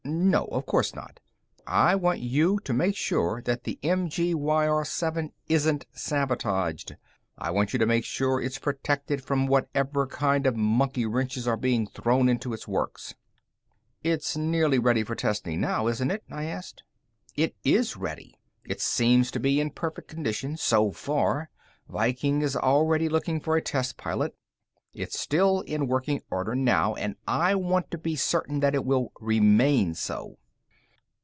"No. Of course not. I want you to make sure that the MG YR 7 isn't sabotaged. I want you to make sure it's protected from whatever kind of monkey wrenches are being thrown into its works." "It's nearly ready for testing now, isn't it?" I asked. "It is ready. It seems to be in perfect condition so far. Viking is already looking for a test pilot. It's still in working order now, and I want to be certain that it will remain so."